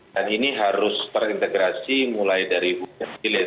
dan ini harus terintegrasi mulai dari hukum yang pilih